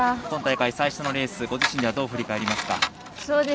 今大会最初のレースご自身でどう振り返りますか。